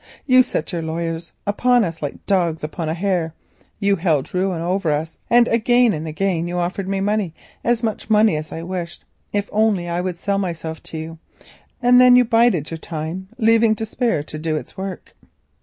You set your lawyers upon us like dogs upon a hare, you held ruin over us and again and again you offered me money, as much money as I wished, if only I would sell myself to you. And then you bided your time, leaving despair to do its work.